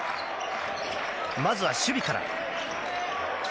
まずは守備から。